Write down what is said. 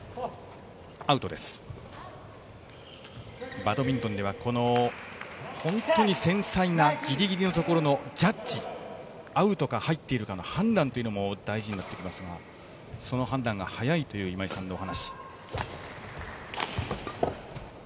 バドミントンでは、本当に繊細なギリギリのところのジャッジアウトか入っているかの判断も大事になってきますがその判断が早いという今井さんのお話。